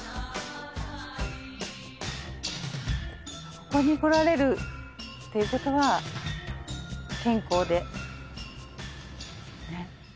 ここに来られるっていうことは健康でねっ。